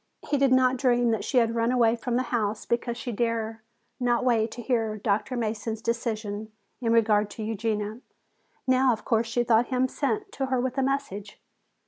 He did not dream that she had run away from the house because she dared not wait to hear Dr. Mason's decision in regard to Eugenia. Now, of course, she thought him sent to her with a message.